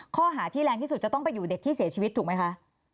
ข้อหาที่แรงที่สุดจะต้องไปอยู่เด็กที่เสียชีวิตถูกไหมคะ